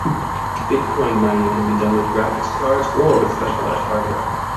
Bitcoin mining can be done with graphic cards or with specialized hardware.